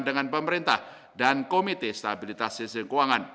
dengan pemerintah dan komite stabilitas sistem keuangan